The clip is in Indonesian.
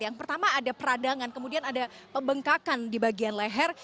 yang pertama ada peradangan kemudian ada pembengkakan di bagian leher